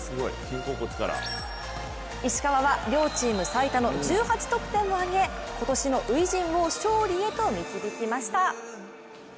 石川は両チーム最多の１８得点を挙げ今年の初陣を勝利へと導きました。